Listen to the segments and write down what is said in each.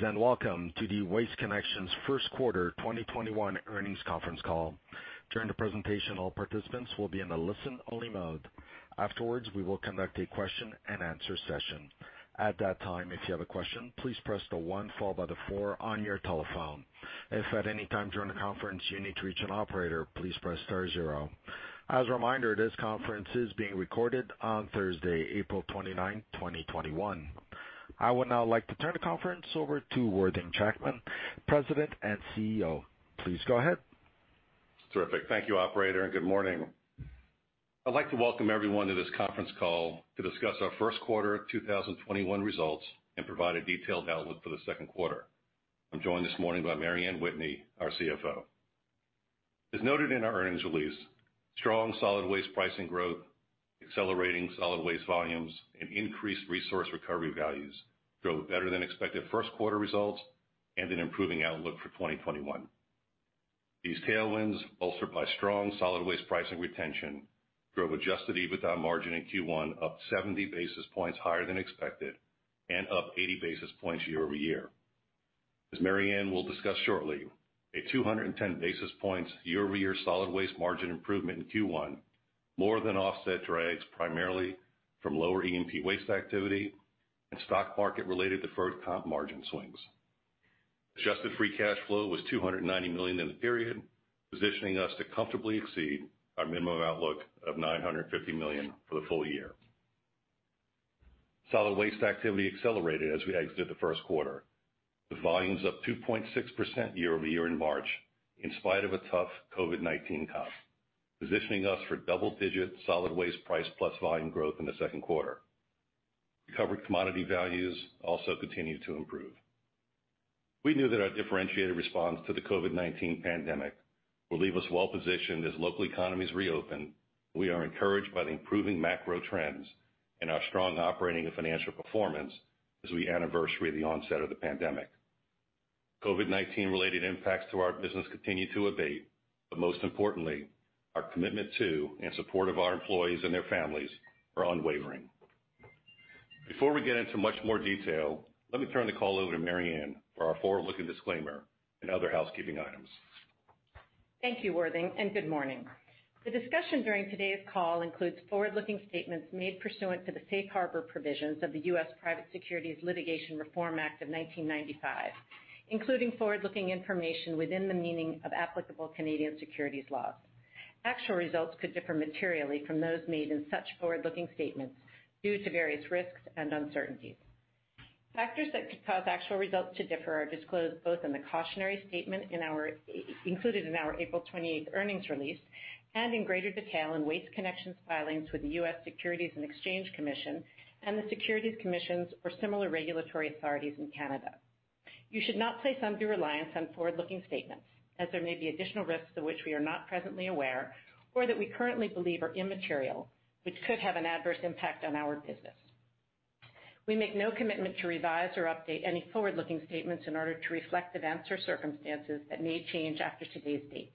Greetings, and welcome to the Waste Connections' first quarter 2021 earnings conference call. During the presentation, all participants will be in a listen-only mode. Afterwards, we will conduct a question and answer session. At the time if you have a question please press star one followed by the four on your telephone. If at anytime during the conference you need to reach an operator, please press star zero. As a reminder, this conference is being recorded on Thursday, April 29, 2021. I would now like to turn the conference over to Worthing Jackman, President and CEO. Please go ahead. Terrific. Thank you operator, and good morning. I'd like to welcome everyone to this conference call to discuss our first quarter 2021 results and provide a detailed outlook for the second quarter. I'm joined this morning by Mary Anne Whitney, our CFO. As noted in our earnings release, strong solid waste pricing growth, accelerating solid waste volumes, and increased resource recovery values drove better-than-expected first quarter results and an improving outlook for 2021. These tailwinds, bolstered by strong solid waste pricing retention, drove adjusted EBITDA margin in Q1 up 70 basis points higher than expected and up 80 basis points year-over-year. As Mary Anne will discuss shortly, a 210 basis points year-over-year solid waste margin improvement in Q1 more than offset drags primarily from lower E&P waste activity and stock market-related deferred comp margin swings. Adjusted free cash flow was $290 million in the period, positioning us to comfortably exceed our minimum outlook of $950 million for the full year. Solid waste activity accelerated as we exited the first quarter, with volumes up 2.6% year-over-year in March in spite of a tough COVID-19 comp, positioning us for double-digit solid waste price plus volume growth in the second quarter. Recovered commodity values also continue to improve. We knew that our differentiated response to the COVID-19 pandemic would leave us well positioned as local economies reopen. We are encouraged by the improving macro trends and our strong operating and financial performance as we anniversary the onset of the pandemic. COVID-19-related impacts to our business continue to abate, most importantly, our commitment to and support of our employees and their families are unwavering. Before we get into much more detail, let me turn the call over to Mary Anne, for our forward-looking disclaimer and other housekeeping items. Thank you, Worthing, and good morning. The discussion during today's call includes forward-looking statements made pursuant to the Safe Harbor provisions of the U.S. Private Securities Litigation Reform Act of 1995, including forward-looking information within the meaning of applicable Canadian securities laws. Actual results could differ materially from those made in such forward-looking statements due to various risks and uncertainties. Factors that could cause actual results to differ are disclosed both in the cautionary statement included in our April 28th earnings release and in greater detail in Waste Connections' filings with the U.S. Securities and Exchange Commission and the securities commissions or similar regulatory authorities in Canada. You should not place undue reliance on forward-looking statements as there may be additional risks of which we are not presently aware or that we currently believe are immaterial, which could have an adverse impact on our business. We make no commitment to revise or update any forward-looking statements in order to reflect events or circumstances that may change after today's date.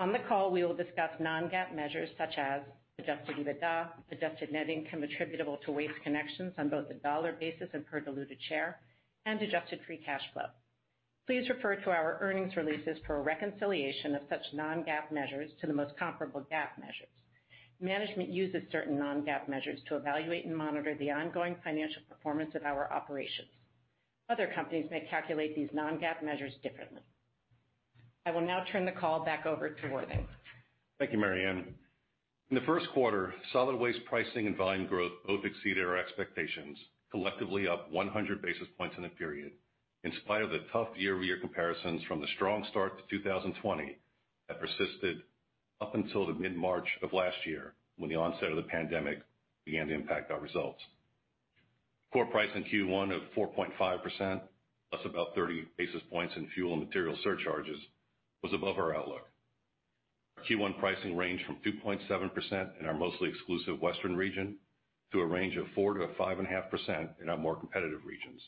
On the call, we will discuss non-GAAP measures such as adjusted EBITDA, adjusted net income attributable to Waste Connections on both a dollar basis and per diluted share, and adjusted free cash flow. Please refer to our earnings releases for a reconciliation of such non-GAAP measures to the most comparable GAAP measures. Management uses certain non-GAAP measures to evaluate and monitor the ongoing financial performance of our operations. Other companies may calculate these non-GAAP measures differently. I will now turn the call back over to Worthing. Thank you, Mary Anne. In the first quarter, solid waste pricing and volume growth both exceeded our expectations, collectively up 100 basis points in the period, in spite of the tough year-over-year comparisons from the strong start to 2020 that persisted up until the mid-March of last year when the onset of the pandemic began to impact our results. Core price in Q1 of 4.5%, plus about 30 basis points in fuel and material surcharges, was above our outlook. Our Q1 pricing ranged from 2.7% in our mostly exclusive Western region to a range of 4%-5.5% in our more competitive regions.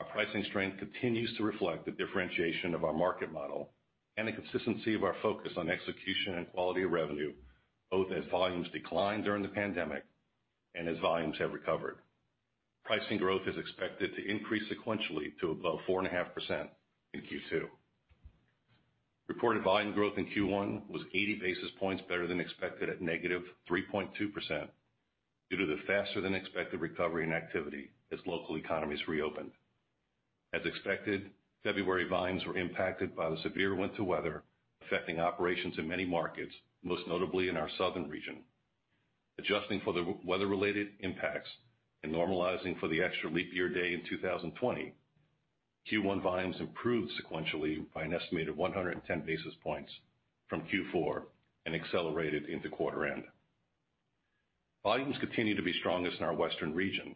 Our pricing strength continues to reflect the differentiation of our market model and the consistency of our focus on execution and quality of revenue, both as volumes declined during the pandemic and as volumes have recovered. Pricing growth is expected to increase sequentially to above 4.5% in Q2. Reported volume growth in Q1 was 80 basis points better than expected at -3.2% due to the faster-than-expected recovery in activity as local economies reopen. As expected, February volumes were impacted by the severe winter weather, affecting operations in many markets, most notably in our southern region. Adjusting for the weather-related impacts and normalizing for the extra leap year day in 2020, Q1 volumes improved sequentially by an estimated 110 basis points from Q4 and accelerated into quarter end. Volumes continue to be strongest in our Western region,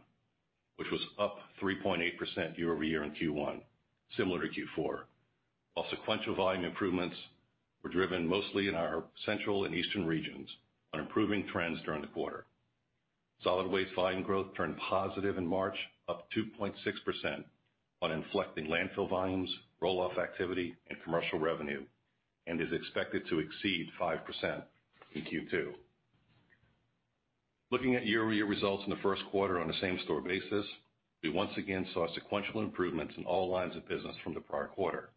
which was up 3.8% year-over-year in Q1, similar to Q4, while sequential volume improvements were driven mostly in our central and eastern regions on improving trends during the quarter. Solid waste volume growth turned positive in March, up 2.6% on inflecting landfill volumes, roll-off activity, and commercial revenue, and is expected to exceed 5% in Q2. Looking at year-over-year results in the first quarter on a same-store basis, we once again saw sequential improvements in all lines of business from the prior quarter.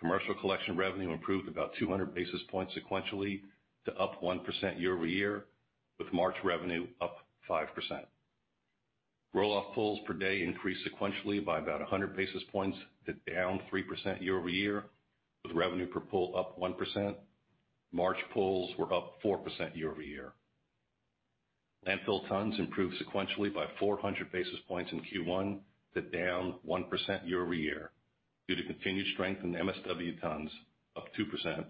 Commercial collection revenue improved about 200 basis points sequentially to up 1% year-over-year, with March revenue up 5%. Roll-off pulls per day increased sequentially by about 100 basis points to down 3% year-over-year, with revenue per pull up 1%. March pulls were up 4% year-over-year. Landfill tons improved sequentially by 400 basis points in Q1 to down 1% year-over-year due to continued strength in MSW tons up 2%,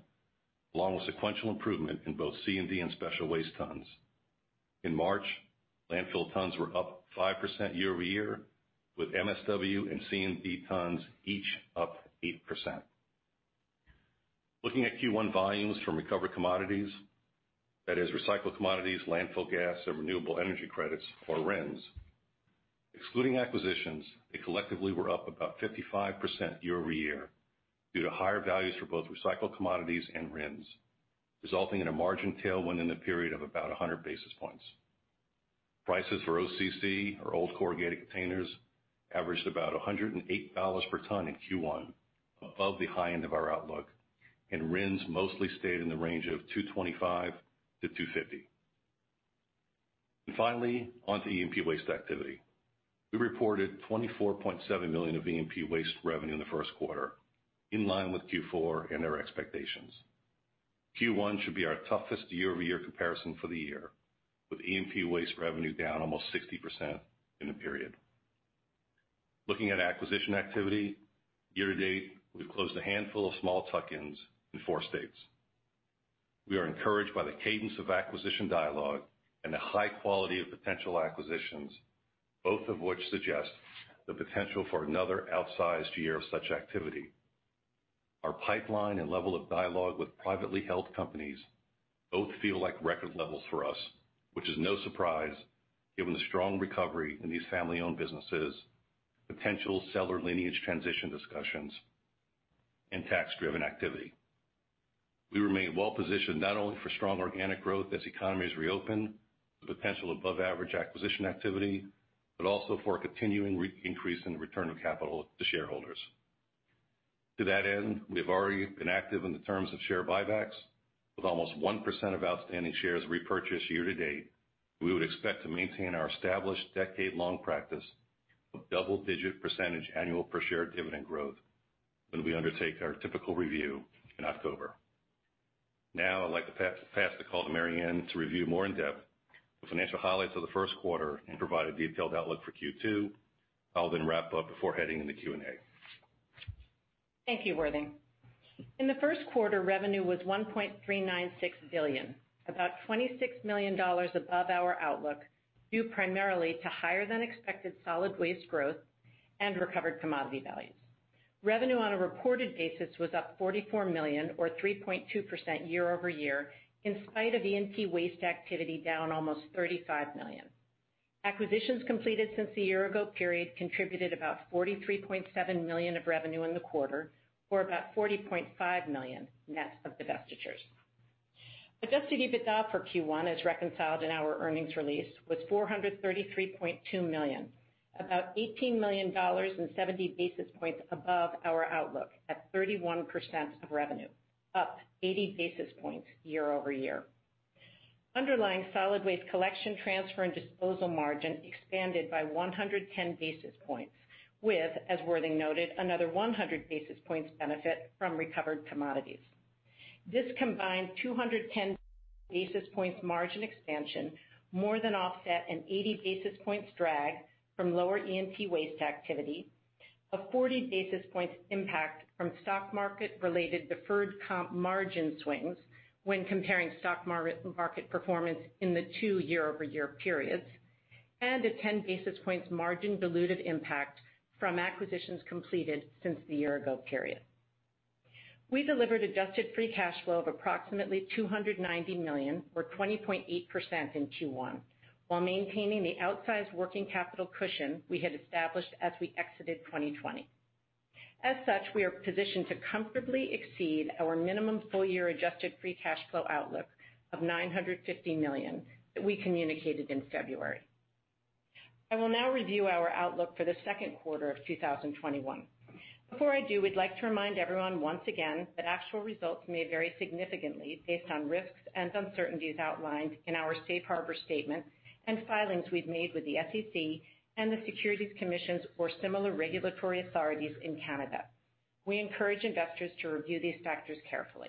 along with sequential improvement in both C&D and special waste tons. In March, landfill tons were up 5% year-over-year, with MSW and C&D tons each up 8%. Looking at Q1 volumes from recovered commodities, that is recycled commodities, landfill gas, and renewable energy credits or RINs. Excluding acquisitions, they collectively were up about 55% year-over-year due to higher values for both recycled commodities and RINs, resulting in a margin tailwind in the period of about 100 basis points. Prices for OCC, or old corrugated containers, averaged about $108 per ton in Q1, above the high end of our outlook. RINs mostly stayed in the range of 225 to 250. Finally, onto E&P waste activity. We reported $24.7 million of E&P waste revenue in the first quarter, in line with Q4 and our expectations. Q1 should be our toughest year-over-year comparison for the year, with E&P waste revenue down almost 60% in the period. Looking at acquisition activity, year-to-date, we've closed a handful of small tuck-ins in four states. We are encouraged by the cadence of acquisition dialogue and the high quality of potential acquisitions, both of which suggest the potential for another outsized year of such activity. Our pipeline and level of dialogue with privately held companies both feel like record levels for us, which is no surprise given the strong recovery in these family-owned businesses, potential seller lineage transition discussions, and tax-driven activity. We remain well-positioned not only for strong organic growth as economies reopen, the potential above-average acquisition activity, but also for a continuing increase in return of capital to shareholders. To that end, we have already been active in the terms of share buybacks with almost 1% of outstanding shares repurchased year-to-date. We would expect to maintain our established decade-long practice of double-digit percentage annual per-share dividend growth when we undertake our typical review in October. Now I'd like to pass the call to Mary Anne, to review more in depth the financial highlights of the first quarter and provide a detailed outlook for Q2. I'll then wrap up before heading into Q&A. Thank you, Worthing. In the first quarter, revenue was $1.396 billion, about $26 million above our outlook, due primarily to higher-than-expected solid waste growth and recovered commodity values. Revenue on a reported basis was up $44 million, or 3.2% year-over-year, in spite of E&P waste activity down almost $35 million. Acquisitions completed since the year-ago period contributed about $43.7 million of revenue in the quarter, or about $40.5 million net of divestitures. Adjusted EBITDA for Q1, as reconciled in our earnings release, was $433.2 million, about $18 million and 70 basis points above our outlook at 31% of revenue, up 80 basis points year-over-year. Underlying solid waste collection transfer and disposal margin expanded by 110 basis points with, as Worthing noted, another 100 basis points benefit from recovered commodities. This combined 210 basis points margin expansion more than offset an 80 basis points drag from lower E&P waste activity, a 40 basis points impact from stock market-related deferred comp margin swings when comparing stock market performance in the two year-over-year periods, and a 10 basis points margin dilutive impact from acquisitions completed since the year-ago period. We delivered adjusted free cash flow of approximately $290 million, or 20.8% in Q1 while maintaining the outsized working capital cushion we had established as we exited 2020. As such, we are positioned to comfortably exceed our minimum full-year adjusted free cash flow outlook of $950 million that we communicated in February. I will now review our outlook for the second quarter of 2021. Before I do, we'd like to remind everyone once again that actual results may vary significantly based on risks and uncertainties outlined in our safe harbor statement and filings we've made with the SEC and the securities commissions or similar regulatory authorities in Canada. We encourage investors to review these factors carefully.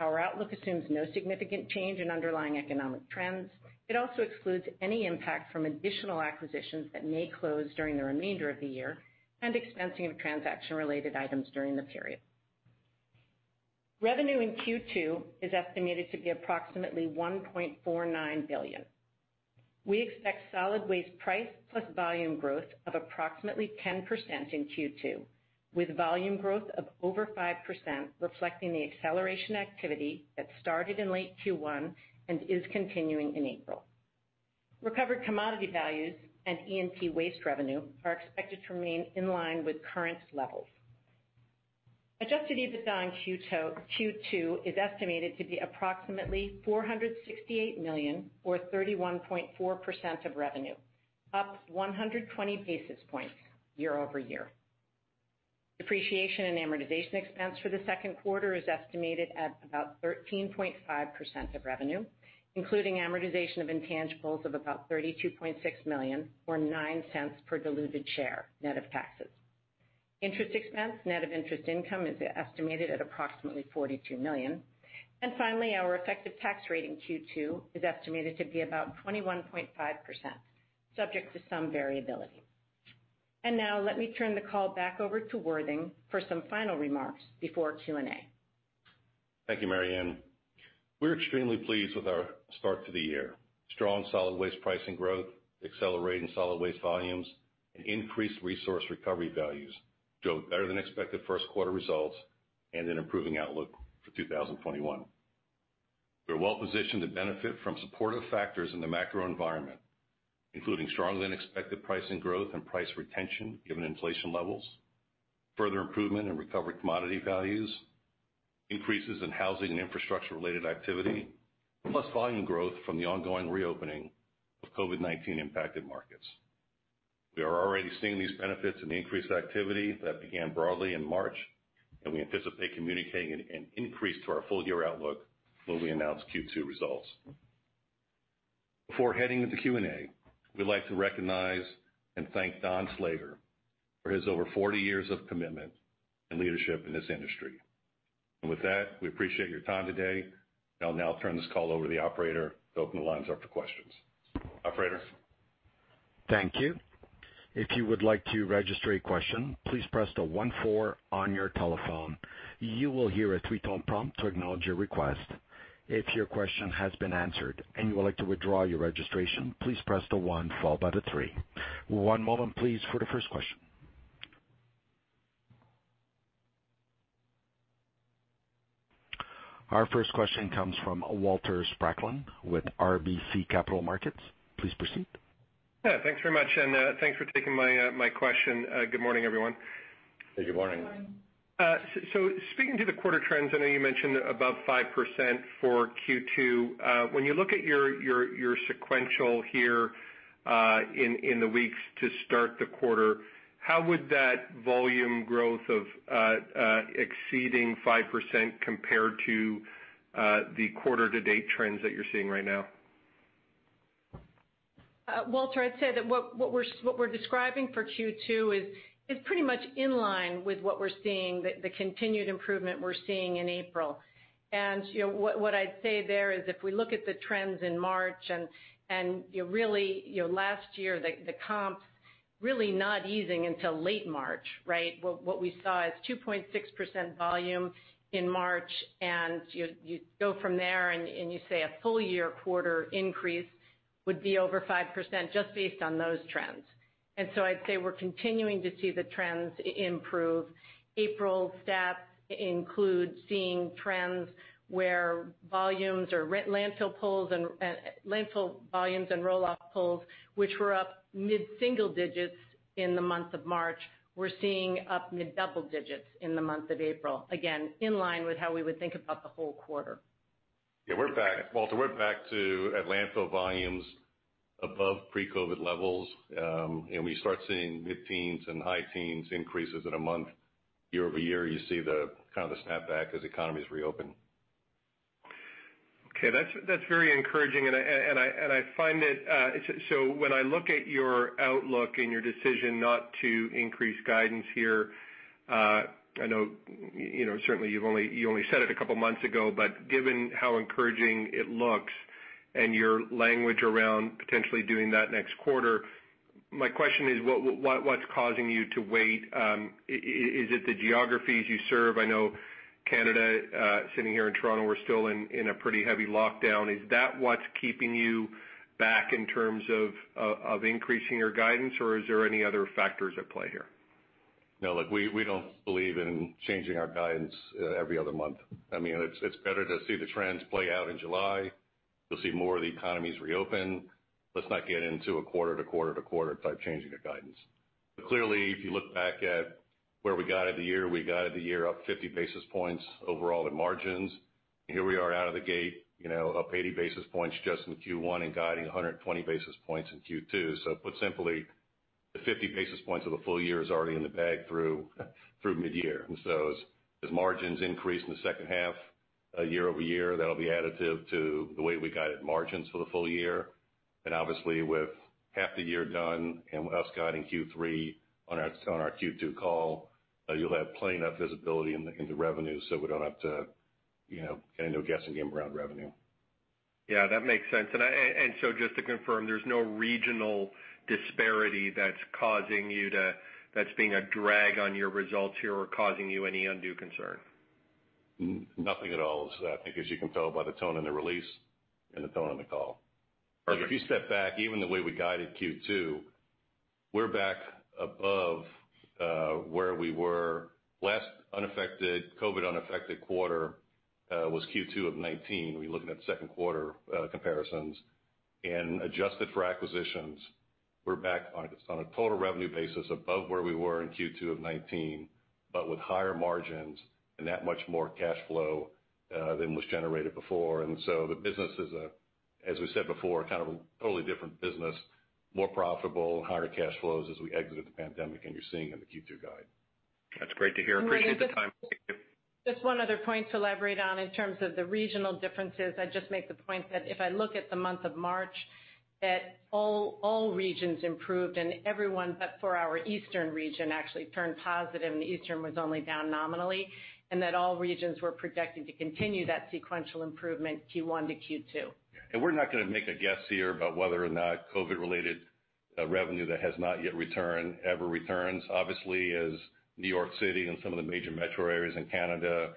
Our outlook assumes no significant change in underlying economic trends. It also excludes any impact from additional acquisitions that may close during the remainder of the year and expensing of transaction-related items during the period. Revenue in Q2 is estimated to be approximately $1.49 billion. We expect solid waste price plus volume growth of approximately 10% in Q2, with volume growth of over 5%, reflecting the acceleration activity that started in late Q1 and is continuing in April. Recovered commodity values and E&P waste revenue are expected to remain in line with current levels. Adjusted EBITDA in Q2 is estimated to be approximately $468 million or 31.4% of revenue, up 120 basis points year-over-year. Depreciation and amortization expense for the second quarter is estimated at about 13.5% of revenue, including amortization of intangibles of about $32.6 million or $0.09 per diluted share, net of taxes. Interest expense, net of interest income is estimated at approximately $42 million. Finally, our effective tax rate in Q2 is estimated to be about 21.5%, subject to some variability. Now let me turn the call back over to Worthing for some final remarks before Q&A. Thank you, Mary Anne. We're extremely pleased with our start to the year. Strong solid waste pricing growth, accelerating solid waste volumes, and increased resource recovery values drove better than expected first quarter results and an improving outlook for 2021. We are well-positioned to benefit from supportive factors in the macro environment, including stronger than expected pricing growth and price retention, given inflation levels, further improvement in recovered commodity values, increases in housing and infrastructure-related activity, plus volume growth from the ongoing reopening of COVID-19 impacted markets. We are already seeing these benefits in the increased activity that began broadly in March. We anticipate communicating an increase to our full-year outlook when we announce Q2 results. Before heading into Q&A, we'd like to recognize and thank Don Slager for his over 40 years of commitment and leadership in this industry. With that, we appreciate your time today. I'll now turn this call over to the operator to open the lines up for questions. Operator? Thank you. If you would like to register your question, please press star one four on your telephone. You will hear a three-tone prompt to acknowledge your request. If your question has been answered and would like to withdraw your registration, please press star one followed by the three. One moment please for the first question. Our first question comes from Walter Spracklin with RBC Capital Markets. Please proceed. Yeah, thanks very much, and thanks for taking my question. Good morning, everyone. Good morning. Speaking to the quarter trends, I know you mentioned above 5% for Q2. When you look at your sequential here in the weeks to start the quarter, how would that volume growth of exceeding 5% compare to the quarter to date trends that you're seeing right now? Walter, I'd say that what we're describing for Q2 is pretty much in line with what we're seeing, the continued improvement we're seeing in April. What I'd say there is if we look at the trends in March and really, last year, the comps really not easing until late March, right? What we saw is 2.6% volume in March, and you go from there, and you say a full year quarter increase would be over 5%, just based on those trends. I'd say we're continuing to see the trends improve. April stats include seeing trends where volumes or landfill pulls and landfill volumes and roll-off pulls, which were up mid-single digits in the month of March. We're seeing up mid-double digits in the month of April, again, in line with how we would think about the whole quarter. Yeah, Walter, we're back to landfill volumes above pre-COVID levels, and we start seeing mid-teens and high-teens increases in a month year-over-year. You see the kind of the snap back as economies reopen. Okay. That's very encouraging, and I find it, so when I look at your outlook and your decision not to increase guidance here, I know, certainly you only said it a couple of months ago, but given how encouraging it looks and your language around potentially doing that next quarter, my question is what's causing you to wait? Is it the geographies you serve? I know Canada, sitting here in Toronto, we're still in a pretty heavy lockdown. Is that what's keeping you back in terms of increasing your guidance, or are there any other factors at play here? No, look, we don't believe in changing our guidance every other month. It's better to see the trends play out in July. You'll see more of the economies reopen. Let's not get into a quarter to quarter to quarter type changing of guidance. Clearly, if you look back at where we guided the year, we guided the year up 50 basis points overall in margins. Here we are out of the gate, up 80 basis points just in Q1 and guiding 120 basis points in Q2. Put simply, the 50 basis points of the full year is already in the bag through midyear. As margins increase in the second half year-over-year, that'll be additive to the way we guided margins for the full year. Obviously, with half the year done and with us guiding Q3 on our Q2 call, you'll have plenty enough visibility into revenues, we don't have to get into a guessing game around revenue. Yeah, that makes sense. Just to confirm, there's no regional disparity that's being a drag on your results here or causing you any undue concern? Nothing at all, I think as you can tell by the tone in the release and the tone on the call. [Perfect]. If you step back, even the way we guided Q2, we're back above where we were. Last unaffected, COVID-unaffected quarter, was Q2 of 2019, when you're looking at second quarter comparisons and adjusted for acquisitions. We're back on a total revenue basis above where we were in Q2 of 2019, but with higher margins and that much more cash flow than was generated before. The business is, as we said before, kind of a totally different business, more profitable, higher cash flows as we exit the pandemic, and you're seeing it in the Q2 guide. That's great to hear. Appreciate the time. Thank you. Just one other point to elaborate on in terms of the regional differences. I'd just make the point that if I look at the month of March, all regions improved, and every one but for our eastern region actually turned positive, and the eastern was only down nominally, and all regions were projected to continue that sequential improvement Q1 to Q2. We're not going to make a guess here about whether or not COVID-related revenue that has not yet returned ever returns. Obviously, as New York City and some of the major metro areas in Canada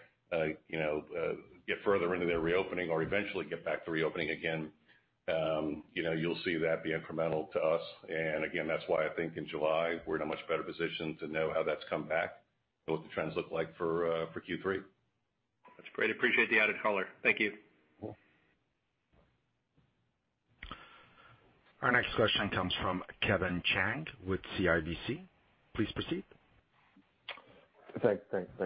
get further into their reopening or eventually get back to reopening again, you'll see that be incremental to us. Again, that's why I think in July, we're in a much better position to know how that's come back and what the trends look like for Q3. That's great. Appreciate the added color. Thank you. Our next question comes from Kevin Chiang with CIBC. Please proceed. Thanks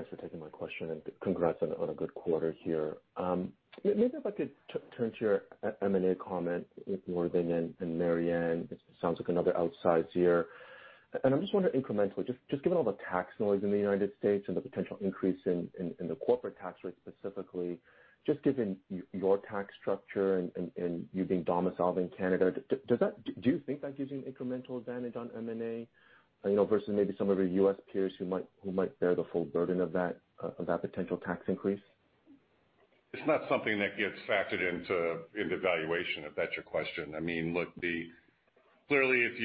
for taking my question, and congrats on a good quarter here. Maybe if I could turn to your M&A comment more then, and Mary Anne, it sounds like another outsize year. I'm just wondering incrementally, just given all the tax noise in the United States and the potential increase in the corporate tax rate specifically, just given your tax structure and you being domiciled in Canada, do you think that gives you an incremental advantage on M&A versus maybe some of your U.S. peers who might bear the full burden of that potential tax increase? It's not something that gets factored into valuation, if that's your question. Look, clearly, if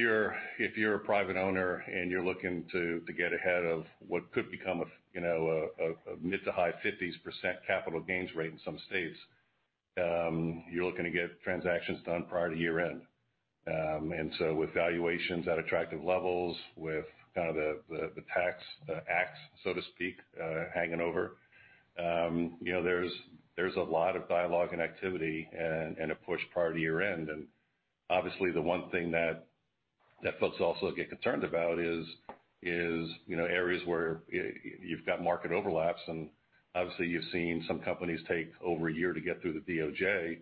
you're a private owner and you're looking to get ahead of what could become a mid to high 50s% capital gains rate in some states, you're looking to get transactions done prior to year-end. With valuations at attractive levels, with kind of the Tax Act, so to speak, hanging over, there's a lot of dialogue and activity and a push prior to year-end. Obviously the one thing that folks also get concerned about is areas where you've got market overlaps, and obviously you've seen some companies take over a year to get through the DOJ.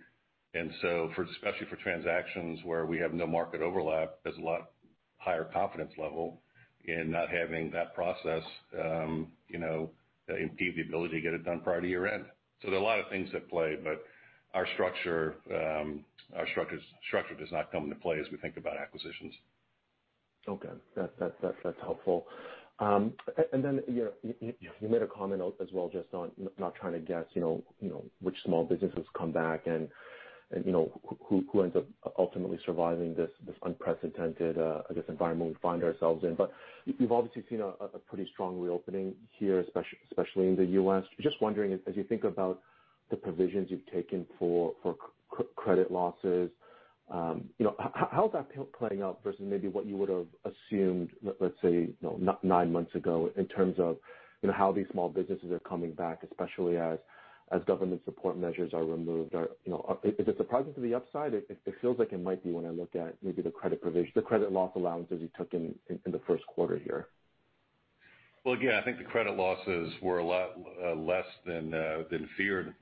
Especially for transactions where we have no market overlap, there's a lot higher confidence level in not having that process impede the ability to get it done prior to year-end. There are a lot of things at play, but our structure does not come into play as we think about acquisitions. Okay. That's helpful. Then you made a comment as well just on not trying to guess which small businesses come back and who ends up ultimately surviving this unprecedented environment we find ourselves in. You've obviously seen a pretty strong reopening here, especially in the U.S. Just wondering, as you think about the provisions you've taken for credit losses, how's that playing out versus maybe what you would've assumed, let's say, nine months ago in terms of how these small businesses are coming back, especially as government support measures are removed? Is it surprising to the upside? It feels like it might be when I look at maybe the credit loss allowances you took in the first quarter here. Well, yeah, I think the credit losses were a lot less than feared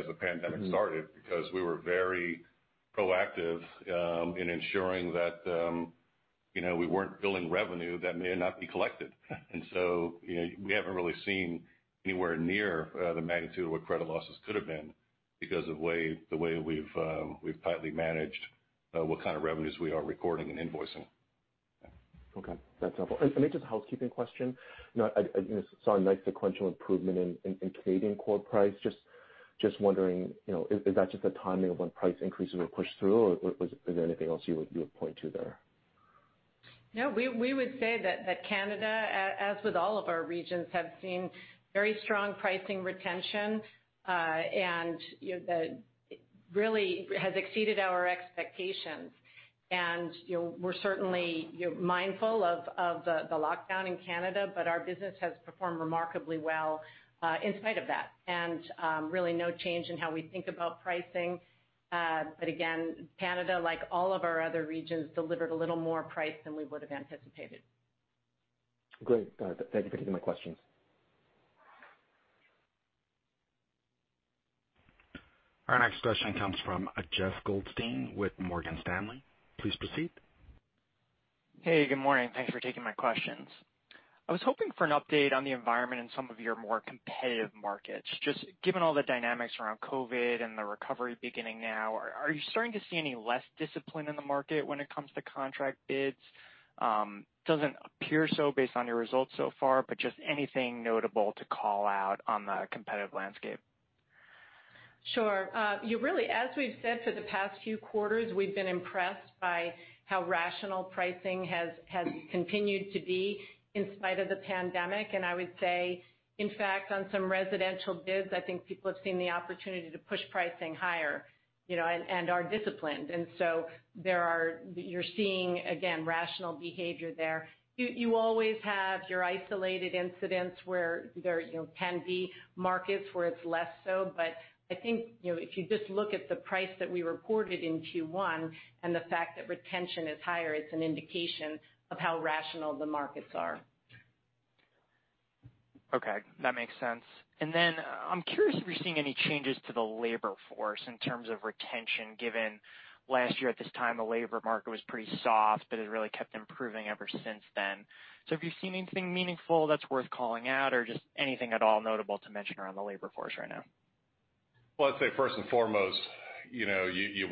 as the pandemic started because we were very proactive in ensuring that we weren't billing revenue that may not be collected. We haven't really seen anywhere near the magnitude of what credit losses could've been because of the way we've tightly managed what kind of revenues we are recording and invoicing. Okay. That's helpful. Maybe just a housekeeping question. I saw a nice sequential improvement in Canadian core price. Just wondering, is that just a timing of when price increases were pushed through, or is there anything else you would point to there? No, we would say that Canada, as with all of our regions, have seen very strong pricing retention. That really has exceeded our expectations. We're certainly mindful of the lockdown in Canada, but our business has performed remarkably well in spite of that. Really no change in how we think about pricing. Again, Canada, like all of our other regions, delivered a little more price than we would've anticipated. Great. Thank you for taking my questions. Our next question comes from Jeff Goldstein with Morgan Stanley. Please proceed. Hey, good morning. Thanks for taking my questions. I was hoping for an update on the environment in some of your more competitive markets. Just given all the dynamics around COVID-19 and the recovery beginning now, are you starting to see any less discipline in the market when it comes to contract bids? Doesn't appear so based on your results so far, just anything notable to call out on the competitive landscape. Sure. As we've said for the past few quarters, we've been impressed by how rational pricing has continued to be in spite of the pandemic. I would say, in fact, on some residential bids, I think people have seen the opportunity to push pricing higher and are disciplined. You're seeing, again, rational behavior there. You always have your isolated incidents where there can be markets where it's less so, but I think if you just look at the price that we reported in Q1 and the fact that retention is higher, it's an indication of how rational the markets are. Okay, that makes sense. I'm curious if you're seeing any changes to the labor force in terms of retention, given last year at this time, the labor market was pretty soft, but it really kept improving ever since then. Have you seen anything meaningful that's worth calling out or just anything at all notable to mention around the labor force right now? Well, I'd say first and foremost, you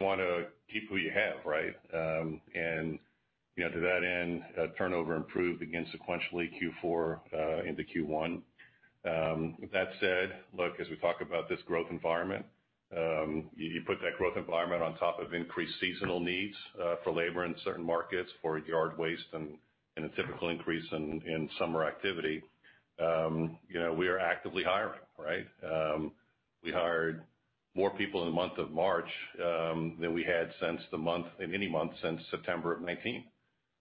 want to keep who you have, right? To that end, turnover improved again sequentially, Q4 into Q1. That said, look, as we talk about this growth environment, you put that growth environment on top of increased seasonal needs for labor in certain markets for yard waste and a typical increase in summer activity. We are actively hiring, right? We hired more people in the month of March than we had in any month since September of 2019.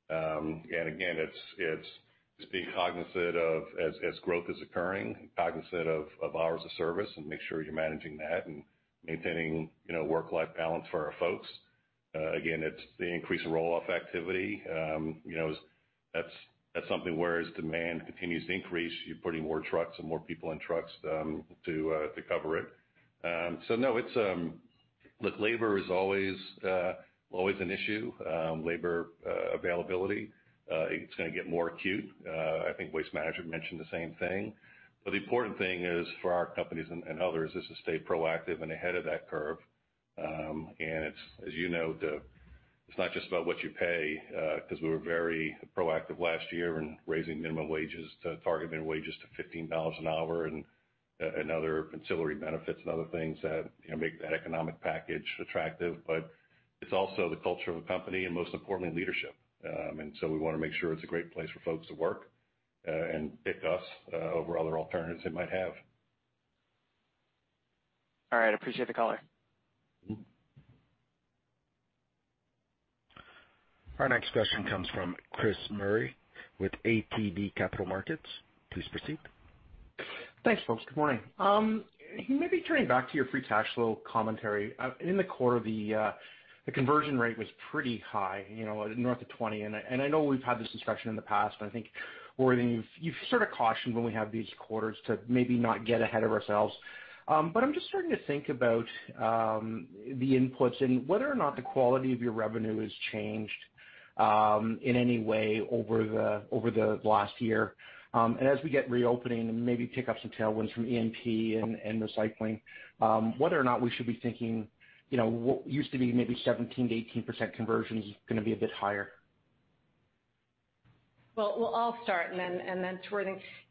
Again, it's being cognizant of, as growth is occurring, cognizant of hours of service and make sure you're managing that and maintaining work-life balance for our folks. Again, it's the increase in roll-off activity. That's something where as demand continues to increase, you're putting more trucks and more people in trucks to cover it. No, labor is always an issue. Labor availability, it's going to get more acute. I think Waste Management mentioned the same thing. The important thing is for our companies and others is to stay proactive and ahead of that curve. As you know, it's not just about what you pay, because we were very proactive last year in raising minimum wages, to target minimum wages to $15 an hour and other ancillary benefits and other things that make that economic package attractive. It's also the culture of a company and most importantly, leadership. We want to make sure it's a great place for folks to work and pick us over other alternatives they might have. All right. I appreciate the color. Our next question comes from Chris Murray with ATB Capital Markets. Please proceed. Thanks, folks. Good morning. Maybe turning back to your free cash flow commentary. In the quarter, the conversion rate was pretty high, north of 20%. I know we've had this discussion in the past, and I think, Worthing, you've sort of cautioned when we have these quarters to maybe not get ahead of ourselves. I'm just starting to think about the inputs and whether or not the quality of your revenue has changed in any way over the last year. As we get reopening and maybe pick up some tailwinds from E&P and recycling, whether or not we should be thinking, what used to be maybe 17%-18% conversion is going to be a bit higher. Well, I'll start, and then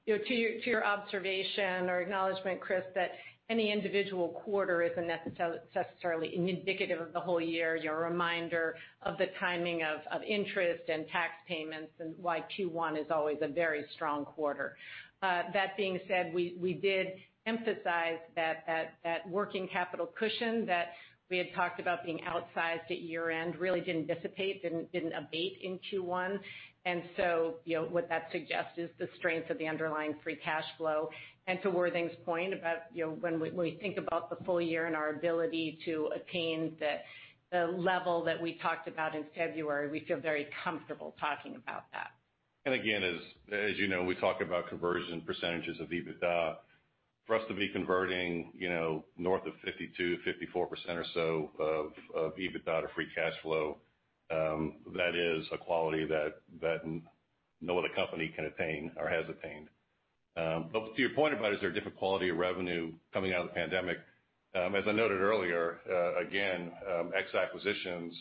to your observation or acknowledgement, Chris, that any individual quarter isn't necessarily indicative of the whole year. You're a reminder of the timing of interest and tax payments and why Q1 is always a very strong quarter. That being said, we did emphasize that that working capital cushion that we had talked about being outsized at year-end really didn't dissipate, didn't abate in Q1. What that suggests is the strength of the underlying free cash flow. To Worthing's point about when we think about the full year and our ability to attain the level that we talked about in February, we feel very comfortable talking about that. Again, as you know, we talk about conversion percentages of EBITDA. For us to be converting north of 52%, 54% or so of EBITDA to free cash flow, that is a quality that no other company can attain or has attained. To your point about, is there a different quality of revenue coming out of the pandemic? As I noted earlier, again, ex-acquisitions,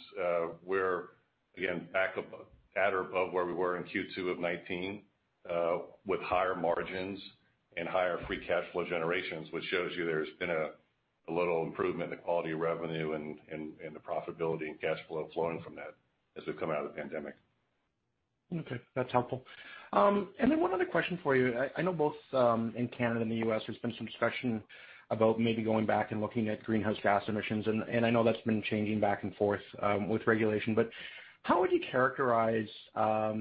we're again at or above where we were in Q2 of '19, with higher margins and higher free cash flow generations, which shows you there's been a little improvement in the quality of revenue and the profitability and cash flow flowing from that as we've come out of the pandemic. Okay. That's helpful. Then one other question for you. I know both in Canada and the U.S., there's been some discussion about maybe going back and looking at greenhouse gas emissions, and I know that's been changing back and forth with regulation, but how would you characterize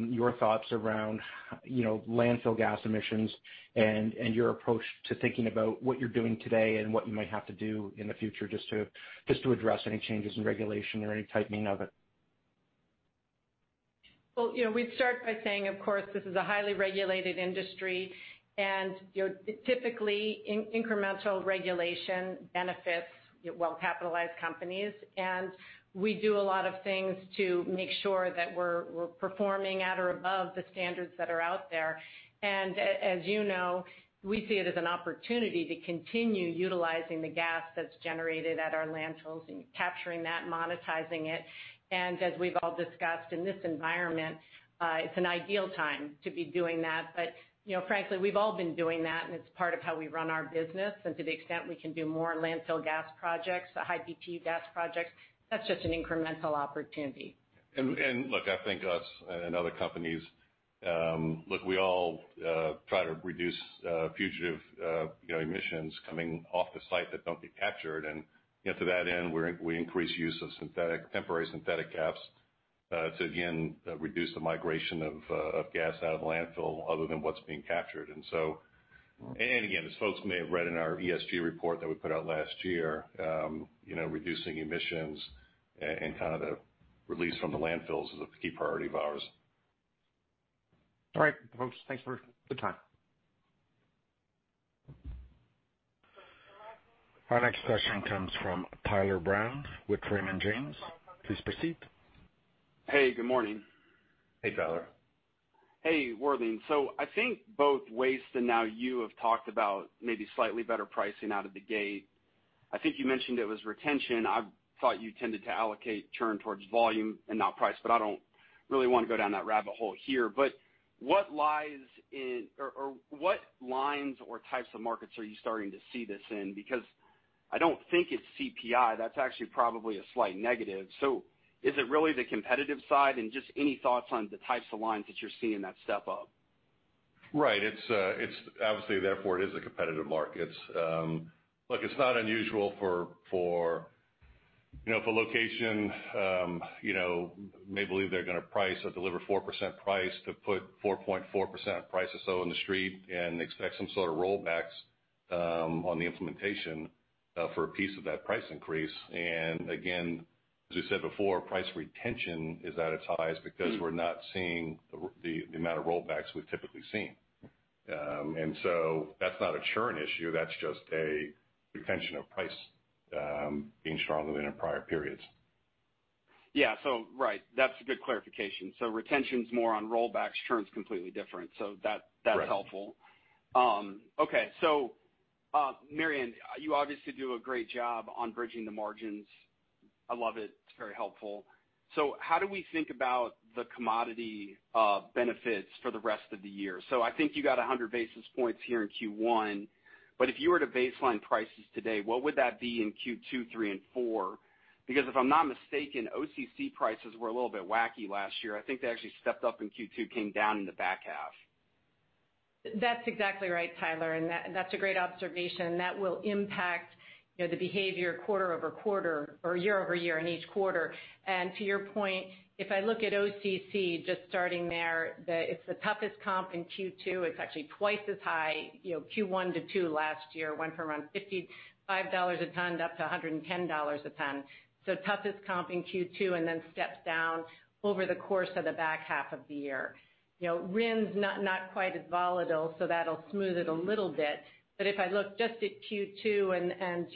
your thoughts around landfill gas emissions and your approach to thinking about what you're doing today and what you might have to do in the future just to address any changes in regulation or any tightening of it? We'd start by saying, of course, this is a highly regulated industry, and typically, incremental regulation benefits well-capitalized companies, and we do a lot of things to make sure that we're performing at or above the standards that are out there. As you know, we see it as an opportunity to continue utilizing the gas that's generated at our landfills and capturing that, monetizing it. As we've all discussed in this environment, it's an ideal time to be doing that. Frankly, we've all been doing that, and it's part of how we run our business. To the extent we can do more landfill gas projects, the high Btu gas projects, that's just an incremental opportunity. Look, I think us and other companies, we all try to reduce fugitive emissions coming off the site that don't get captured. To that end, we increase use of temporary synthetic caps to again, reduce the migration of gas out of the landfill other than what's being captured. Again, as folks may have read in our ESG report that we put out last year, reducing emissions and kind of the release from the landfills is a key priority of ours. All right, folks. Thanks for the time. Our next question comes from Tyler Brown with Raymond James. Please proceed. Hey, good morning. Hey, Tyler. Hey, Worthing. I think both Waste Management, Inc. and now you have talked about maybe slightly better pricing out of the gate. I think you mentioned it was retention. I thought you tended to allocate churn towards volume and not price. I don't really want to go down that rabbit hole here. What lines or types of markets are you starting to see this in? I don't think it's CPI. That's actually probably a slight negative. Is it really the competitive side? Just any thoughts on the types of lines that you're seeing that step up. Right. Obviously, therefore, it is a competitive market. Look, it's not unusual if a location may believe they're going to price or deliver 4% price to put 4.4% price or so in the street and expect some sort of rollbacks on the implementation for a piece of that price increase. Again, as we said before, price retention is at its highest because we're not seeing the amount of rollbacks we've typically seen. That's not a churn issue, that's just a retention of price being stronger than in prior periods. Yeah. Right. That's a good clarification. Retention's more on rollbacks. Churn's completely different. Right. That's helpful. Okay. Mary Anne, you obviously do a great job on bridging the margins. I love it. It's very helpful. How do we think about the commodity benefits for the rest of the year? I think you got 100 basis points here in Q1, but if you were to baseline prices today, what would that be in Q2, Q3, and Q4? Because if I'm not mistaken, OCC prices were a little bit wacky last year. I think they actually stepped up in Q2, came down in the back half. That's exactly right, Tyler, and that's a great observation. That will impact the behavior quarter-over-quarter or year-over-year in each quarter. To your point, if I look at OCC, just starting there, it's the toughest comp in Q2. It's actually twice as high Q1 to Q2 last year, went from around $55 a ton up to $110 a ton. Toughest comp in Q2, and then steps down over the course of the back half of the year. RINs not quite as volatile, so that'll smooth it a little bit. If I look just at Q2 and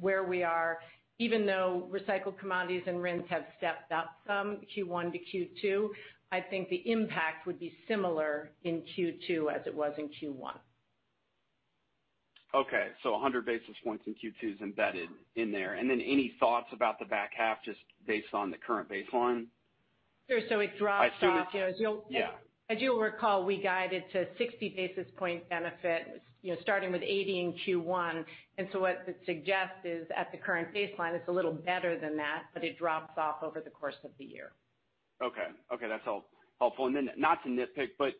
where we are, even though recycled commodities and RINs have stepped up some Q1 to Q2, I think the impact would be similar in Q2 as it was in Q1. Okay. 100 basis points in Q2 is embedded in there. Any thoughts about the back half, just based on the current baseline? Sure. It drops off. I see it. Yeah. As you'll recall, we guided to 60 basis point benefit, starting with 80 in Q1. What that suggests is, at the current baseline, it's a little better than that, but it drops off over the course of the year. Okay. That's helpful. Not to nitpick, but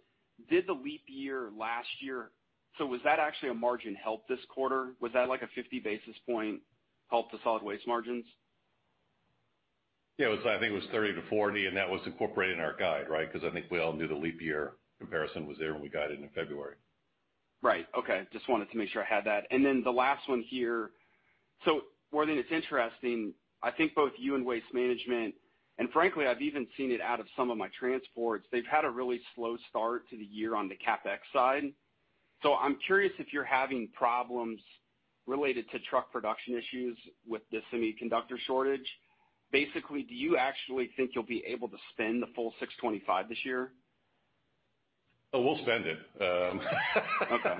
did the leap year last year? Was that actually a margin help this quarter? Was that like a 50 basis point help to solid waste margins? Yeah. I think it was 30-40, and that was incorporated in our guide, right? I think we all knew the leap year comparison was there when we guided in February. Right. Okay. Just wanted to make sure I had that. The last one here. Worthing, it's interesting, I think both you and Waste Management, and frankly, I've even seen it out of some of my transports, they've had a really slow start to the year on the CapEx side. I'm curious if you're having problems related to truck production issues with the semiconductor shortage. Basically, do you actually think you'll be able to spend the full $625 million this year? Oh, we'll spend it. Okay.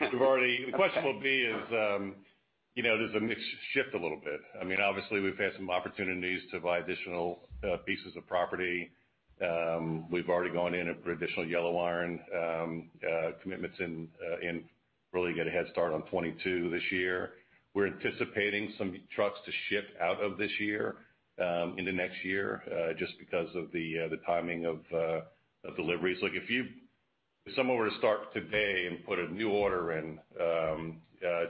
The question will be is, does the mix shift a little bit? I mean, obviously, we've had some opportunities to buy additional pieces of property. We've already gone in for additional yellow iron commitments and really get a head start on 2022 this year. We're anticipating some trucks to ship out of this year into next year, just because of the timing of deliveries. Look, if someone were to start today and put a new order in,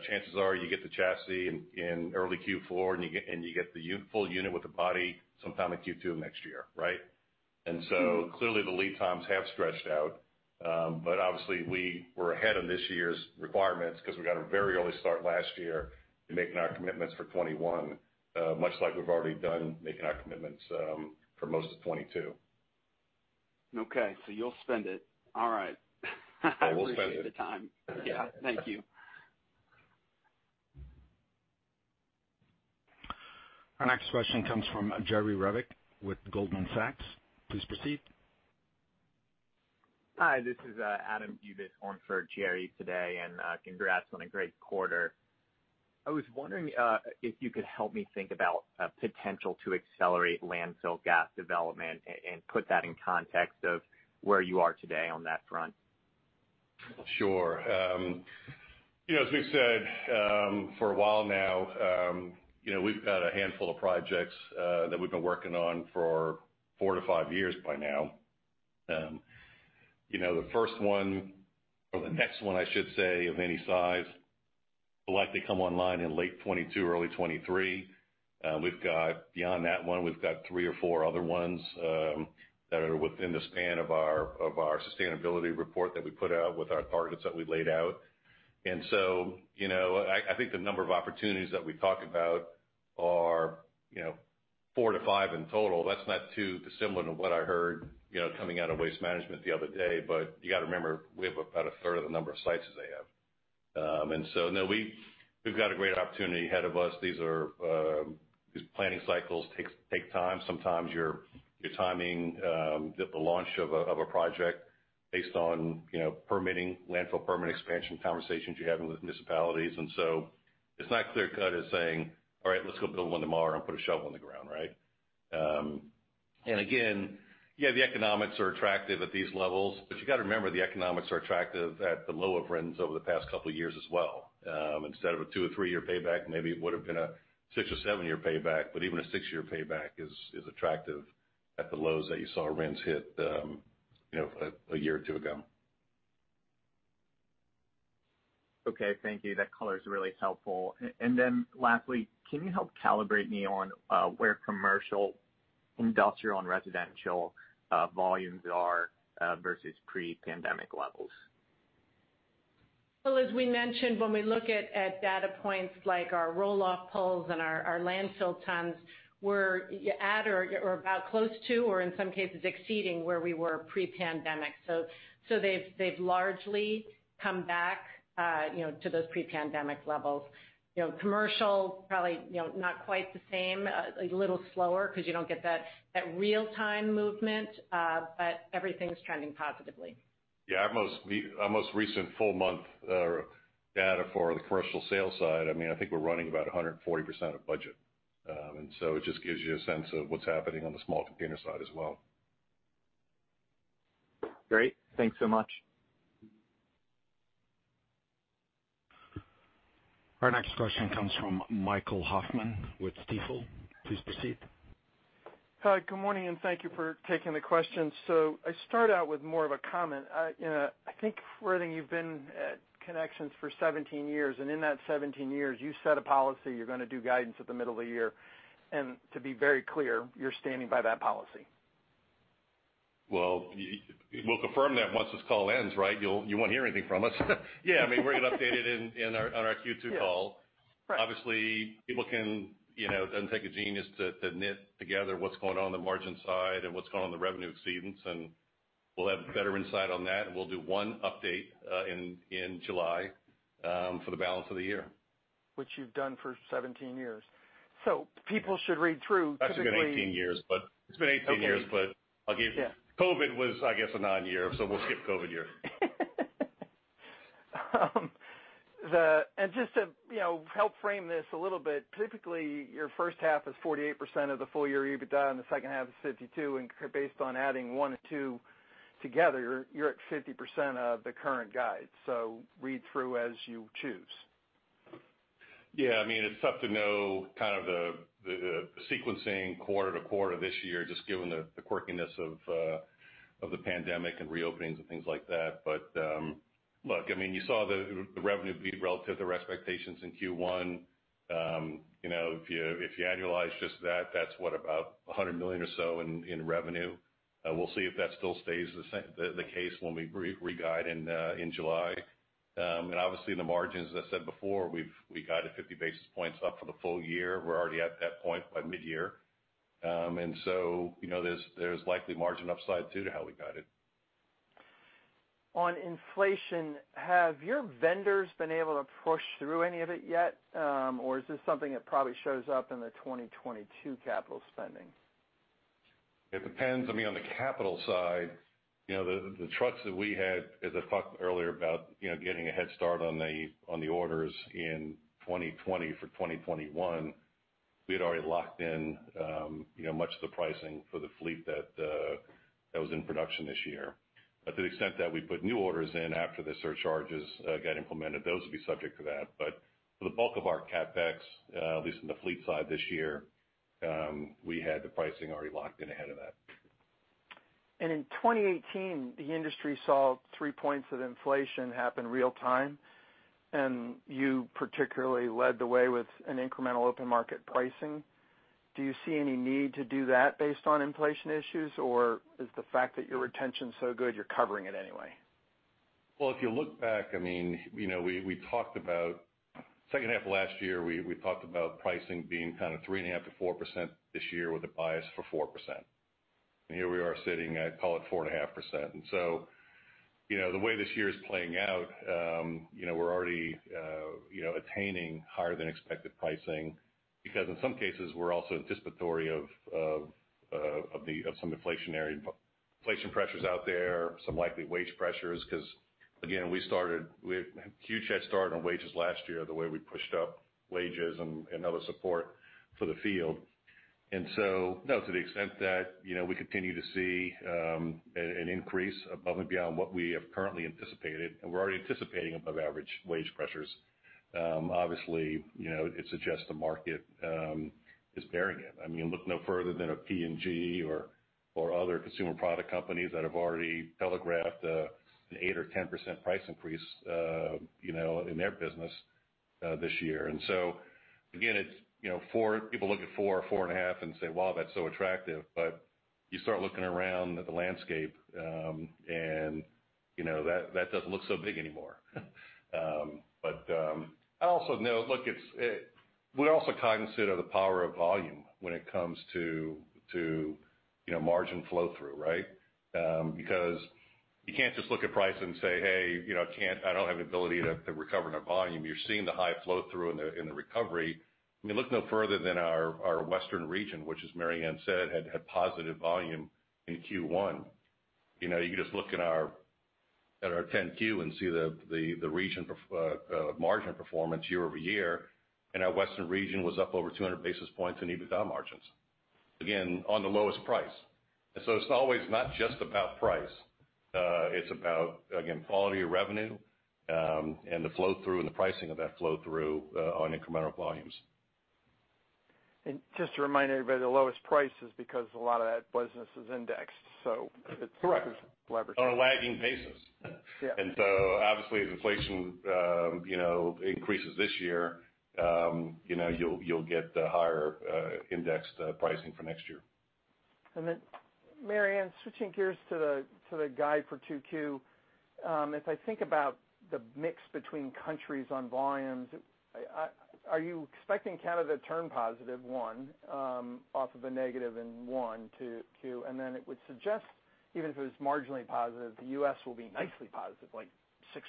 chances are you get the chassis in early Q4, and you get the full unit with the body sometime in Q2 of next year. Right? Clearly the lead times have stretched out. Obviously we were ahead on this year's requirements because we got a very early start last year in making our commitments for 2021, much like we've already done making our commitments for most of 2022. Okay. you'll spend it. All right. We'll spend it. I appreciate the time. Yeah. Thank you. Our next question comes from Jerry Revich with Goldman Sachs. Please proceed. Hi, this is Adam Bubes on for Jerry today. Congrats on a great quarter. I was wondering if you could help me think about potential to accelerate landfill gas development and put that in context of where you are today on that front? Sure. As we've said for a while now, we've got a handful of projects that we've been working on for four to five years by now. The first one, or the next one I should say, of any size, will likely come online in late 2022, early 2023. Beyond that one, we've got three or four other ones that are within the span of our sustainability report that we put out with our targets that we laid out. I think the number of opportunities that we talk about are four to five in total, that's not too dissimilar to what I heard coming out of Waste Management the other day. You got to remember, we have about a third of the number of sites as they have. We've got a great opportunity ahead of us. These planning cycles take time. Sometimes your timing, the launch of a project based on permitting, landfill permit expansion, conversations you're having with municipalities. It's not clear cut as saying, all right, let's go build one tomorrow and put a shovel in the ground. Right? Again, yeah, the economics are attractive at these levels, but you got to remember, the economics are attractive at the lower RINs over the past couple of years as well. Instead of a two or three-year payback, maybe it would've been a six or seven-year payback, but even a six-year payback is attractive at the lows that you saw RINs hit a year or two ago. Okay. Thank you. That color is really helpful. Then lastly, can you help calibrate me on where commercial, industrial, and residential volumes are, versus pre-pandemic levels? Well, as we mentioned, when we look at data points like our roll-off pulls and our landfill tons, we're at or about close to, or in some cases exceeding where we were pre-pandemic. They've largely come back to those pre-pandemic levels. Commercial probably not quite the same, a little slower because you don't get that real-time movement, but everything's trending positively. Yeah. Our most recent full month data for the commercial sales side, I think we're running about 140% of budget. It just gives you a sense of what's happening on the small container side as well. Great. Thanks so much. Our next question comes from Michael Hoffman with Stifel. Please proceed. Hi, good morning, and thank you for taking the question. I start out with more of a comment. I think, Worthing, you've been at Connections for 17 years, and in that 17 years, you set a policy, you're going to do guidance at the middle of the year. To be very clear, you're standing by that policy. Well, we'll confirm that once this call ends, right? You won't hear anything from us. Yeah. We're going to update it on our Q2 call. Yeah. Right. It doesn't take a genius to knit together what's going on in the margin side and what's going on in the revenue exceedance, and we'll have better insight on that, and we'll do one update in July for the balance of the year. Which you've done for 17 years. Actually, it's been 18 years. COVID was, I guess, a non-year. We'll skip COVID year. Just to help frame this a little bit, typically, your first half is 48% of the full-year EBITDA, and the second half is 52%, and based on adding one and two together, you're at 50% of the current guide. Read through as you choose. It's tough to know the sequencing quarter-to-quarter this year, just given the quirkiness of the pandemic and reopening and things like that. Look, you saw the revenue beat relative to expectations in Q1. If you annualize just that, that's what about $100 million or so in revenue. We'll see if that still stays the case when we re-guide in July. Obviously, the margins, as I said before, we guided 50 basis points up for the full year. We're already at that point by mid-year. There's likely margin upside too, to how we guide it. On inflation, have your vendors been able to push through any of it yet? Is this something that probably shows up in the 2022 capital spending? It depends. On the capital side, the trucks that we had, as I talked earlier about getting a head start on the orders in 2020 for 2021, we had already locked in much of the pricing for the fleet that was in production this year. To the extent that we put new orders in after the surcharges got implemented, those would be subject to that. For the bulk of our CapEx, at least on the fleet side this year, we had the pricing already locked in ahead of that. In 2018, the industry saw three points of inflation happen real time. You particularly led the way with an incremental open market pricing. Do you see any need to do that based on inflation issues, or is the fact that your retention's so good, you're covering it anyway? Well, if you look back, second half of last year, we talked about pricing being kind of 3.5%-4% this year with a bias for 4%. Here we are sitting at, call it 4.5%. The way this year is playing out, we're already attaining higher than expected pricing because in some cases, we're also anticipatory of some inflation pressures out there, some likely wage pressures, because again, we had a huge head start on wages last year, the way we pushed up wages and other support for the field. No, to the extent that we continue to see an increase above and beyond what we have currently anticipated, and we're already anticipating above average wage pressures, obviously, it suggests the market is bearing it. Look no further than a P&G or other consumer product companies that have already telegraphed an 8% or 10% price increase in their business this year. Again, people look at four, 4.5% and say, "Wow, that's so attractive." You start looking around at the landscape, and that doesn't look so big anymore. I also know, look, we also consider the power of volume when it comes to margin flow through, right? You can't just look at price and say, hey, I don't have the ability to recover in a volume. You're seeing the high flow through in the recovery. I mean, look no further than our Western region, which as Mary Anne said, had positive volume in Q1. You can just look at our 10-Q and see the region margin performance year-over-year, and our Western region was up over 200 basis points in EBITDA margins. Again, on the lowest price. It's always not just about price. It's about, again, quality of revenue, and the flow through and the pricing of that flow through on incremental volumes. Just to remind everybody, the lowest price is because a lot of that business is indexed. Correct. Leveraged. On a lagging basis. Yeah. Obviously as inflation increases this year, you'll get the higher indexed pricing for next year. Mary Anne, switching gears to the guide for 2Q, as I think about the mix between countries on volumes, are you expecting Canada to turn positive, one, off of a negative in one to two? It would suggest, even if it was marginally positive, the U.S. will be nicely positive, like 6%,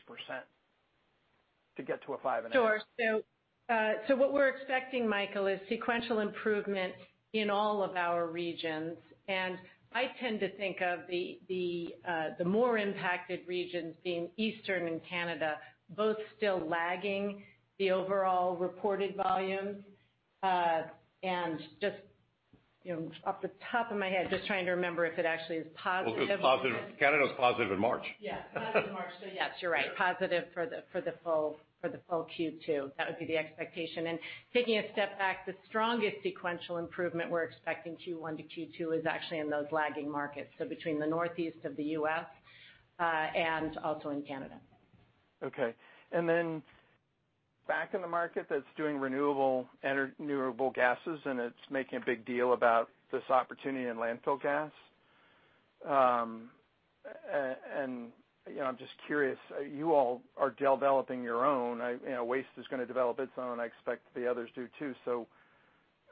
to get to a 5.5%. Sure. What we're expecting, Michael, is sequential improvement in all of our regions. I tend to think of the more impacted regions being Eastern and Canada, both still lagging the overall reported volumes. Off the top of my head, just trying to remember if it actually is positive. Well, Canada was positive in March. Yeah. Positive in March, so yes, you're right. Positive for the full Q2. That would be the expectation. Taking a step back, the strongest sequential improvement we're expecting Q1 to Q2 is actually in those lagging markets, between the Northeast of the U.S., and also in Canada. Okay. Back in the market that's doing renewable gases, and it's making a big deal about this opportunity in landfill gas. I'm just curious, you all are developing your own. Waste is going to develop its own, and I expect the others do too.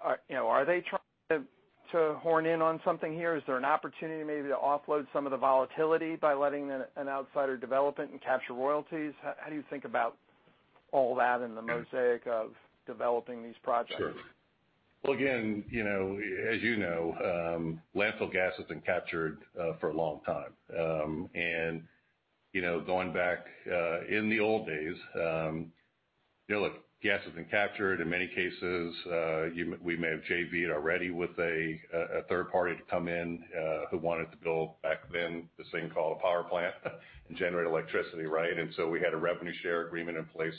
Are they trying to horn in on something here? Is there an opportunity maybe to offload some of the volatility by letting an outsider develop it and capture royalties? How do you think about all that in the mosaic of developing these projects? Sure. Well, again, as you know, landfill gas has been captured for a long time. Going back, in the old days, gas has been captured. In many cases, we may have JV'd already with a third party to come in, who wanted to build, back then, this thing called a power plant and generate electricity, right? We had a revenue share agreement in place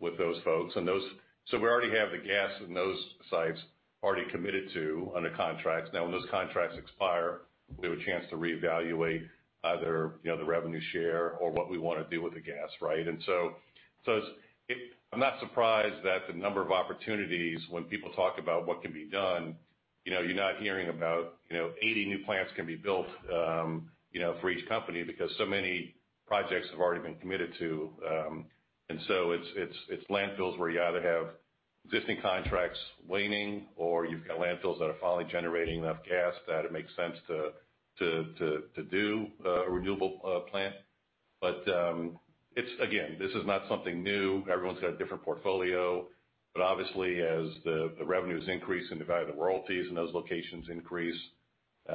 with those folks. We already have the gas in those sites already committed to under contracts. Now, when those contracts expire, we have a chance to reevaluate either the revenue share or what we want to do with the gas, right? I'm not surprised that the number of opportunities when people talk about what can be done, you're not hearing about 80 new plants can be built for each company, because so many projects have already been committed to. It's landfills where you either have existing contracts waning, or you've got landfills that are finally generating enough gas that it makes sense to do a renewable plant. Again, this is not something new. Everyone's got a different portfolio. Obviously as the revenues increase and the value of the royalties in those locations increase.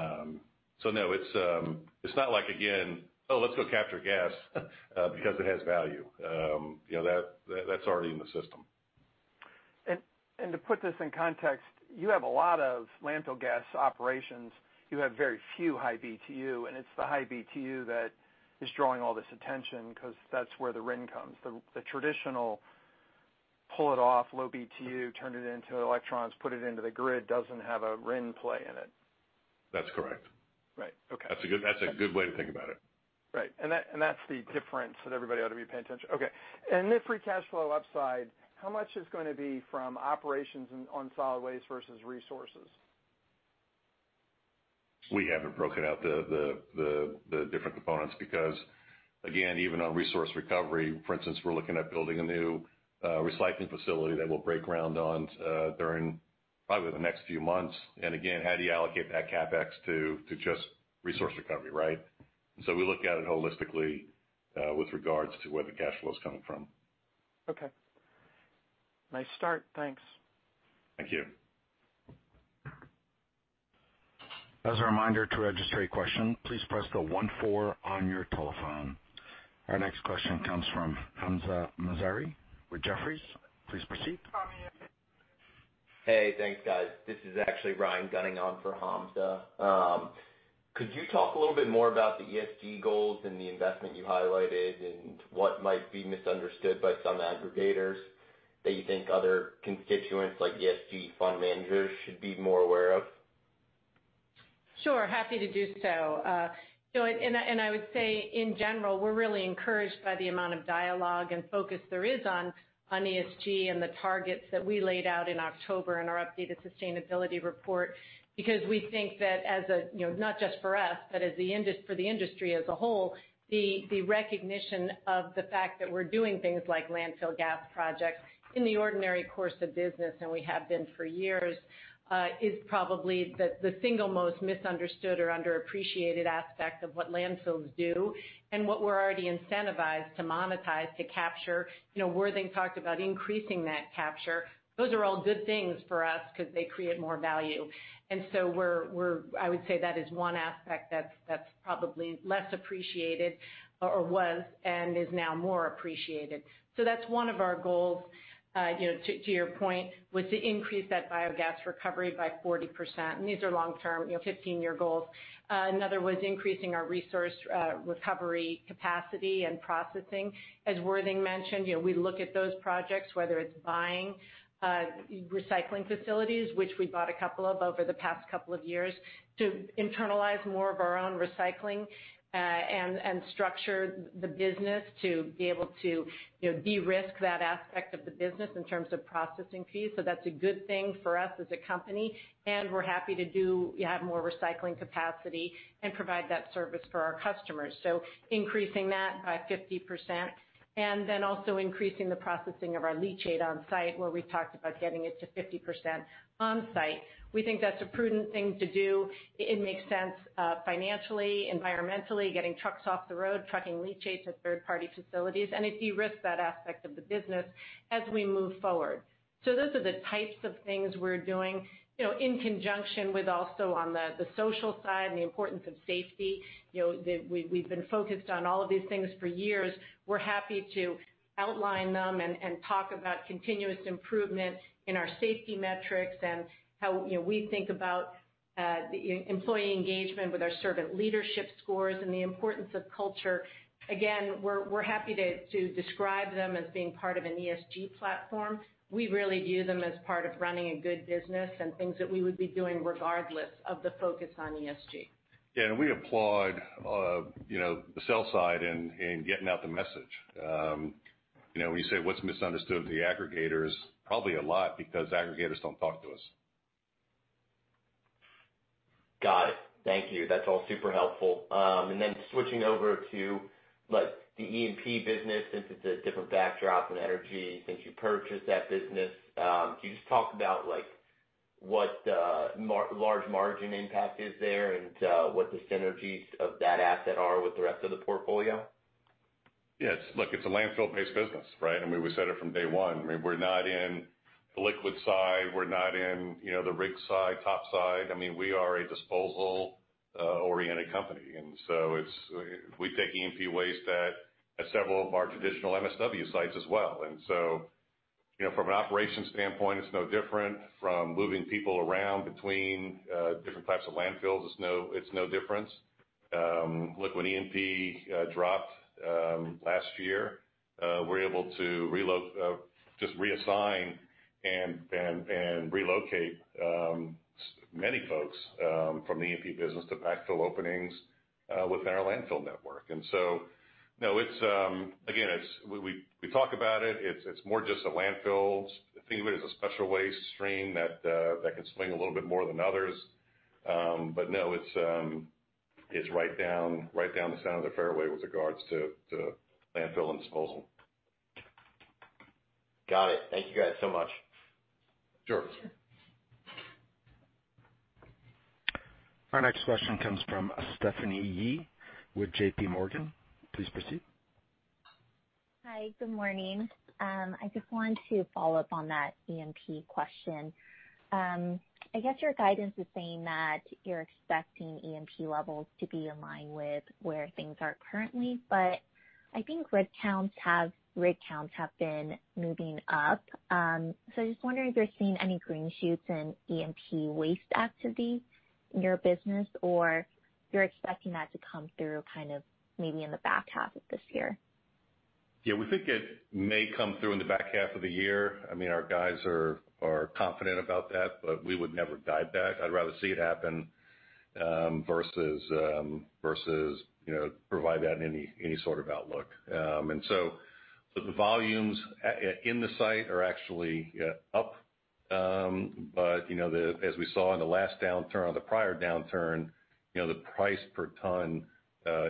No, it's not like again, oh, let's go capture gas, because it has value. That's already in the system. To put this in context, you have a lot of landfill gas operations. You have very few high Btu, and it's the high Btu that is drawing all this attention because that's where the RIN comes. The traditional pull it off, low Btu, turn it into electrons, put it into the grid, doesn't have a RIN play in it. That's correct. Right. Okay. That's a good way to think about it. Right. That's the difference that everybody ought to be paying attention to. Okay. This free cash flow upside, how much is going to be from operations on solid waste versus resources? We haven't broken out the different components because, again, even on resource recovery, for instance, we're looking at building a new recycling facility that we'll break ground on during probably the next few months. Again, how do you allocate that CapEx to just resource recovery, right? We look at it holistically with regards to where the cash flow's coming from. Okay. Nice start. Thanks. Thank you. As a reminder, to register a question, please press the one four on your telephone. Our next question comes from Hamzah Mazari with Jefferies. Please proceed. Hey, thanks guys. This is actually Ryan Gunning on for Hamzah. Could you talk a little bit more about the ESG goals and the investment you highlighted, and what might be misunderstood by some aggregators that you think other constituents like ESG fund managers should be more aware of? Sure, happy to do so. I would say in general, we're really encouraged by the amount of dialogue and focus there is on ESG and the targets that we laid out in October in our updated sustainability report. We think that, not just for us, but for the industry as a whole, the recognition of the fact that we're doing things like landfill gas projects in the ordinary course of business, and we have been for years, is probably the single most misunderstood or underappreciated aspect of what landfills do and what we're already incentivized to monetize, to capture. Worthing talked about increasing that capture. Those are all good things for us because they create more value. I would say that is one aspect that's probably less appreciated or was and is now more appreciated. That's one of our goals, to your point, was to increase that biogas recovery by 40%. These are long-term, 15-year goals. Another was increasing our resource recovery capacity and processing. As Worthing mentioned, we look at those projects, whether it's buying recycling facilities, which we bought a couple of over the past couple of years, to internalize more of our own recycling and structure the business to be able to de-risk that aspect of the business in terms of processing fees. That's a good thing for us as a company, and we're happy to have more recycling capacity and provide that service for our customers. Increasing that by 50% and then also increasing the processing of our leachate on site where we talked about getting it to 50% on site. We think that's a prudent thing to do. It makes sense financially, environmentally, getting trucks off the road, trucking leachate to third-party facilities, and it de-risks that aspect of the business as we move forward. Those are the types of things we're doing in conjunction with also on the social side and the importance of safety. We've been focused on all of these things for years. We're happy to outline them and talk about continuous improvement in our safety metrics and how we think about employee engagement with our servant leadership scores and the importance of culture. We're happy to describe them as being part of an ESG platform. We really view them as part of running a good business and things that we would be doing regardless of the focus on ESG. Yeah, we applaud the sell side in getting out the message. When you say what's misunderstood with the aggregators, probably a lot because aggregators don't talk to us. Got it. Thank you. That's all super helpful. Switching over to the E&P business, since it's a different backdrop than energy since you purchased that business. Can you just talk about what large margin impact is there and what the synergies of that asset are with the rest of the portfolio? Yes. Look, it's a landfill-based business, right? I mean, we said it from day one. We're not in the liquid side. We're not in the rig side, top side. We are a disposal-oriented company, and so we take E&P waste at several of our traditional MSW sites as well. From an operations standpoint, it's no different from moving people around between different types of landfills. It's no difference. Look, when E&P dropped last year, we were able to just reassign and relocate many folks from the E&P business to backfill openings within our landfill network. Again, we talk about it. It's more just a landfill. Think of it as a special waste stream that can swing a little bit more than others. No, it's right down the center of the fairway with regards to landfill and disposal. Got it. Thank you guys so much. Sure. Our next question comes from Stephanie Yee with JPMorgan. Please proceed. Hi. Good morning. I just wanted to follow up on that E&P question. I guess your guidance is saying that you're expecting E&P levels to be in line with where things are currently, but I think rig counts have been moving up. I was just wondering if you're seeing any green shoots in E&P waste activity in your business, or you're expecting that to come through maybe in the back half of this year? Yeah, we think it may come through in the back half of the year. Our guys are confident about that, but we would never guide that. I'd rather see it happen versus provide that in any sort of outlook. The volumes in the site are actually up, but as we saw in the last downturn or the prior downturn, the price per ton